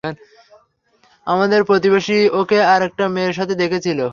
আমাদের প্রতিবেশী ওকে আরেকটা মেয়ের সাথে দেখেছিল।